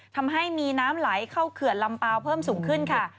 ทำให้มีน้ำไหลเข้าเขื่อนลำเปล่าเพิ่มสูงขึ้นค่ะ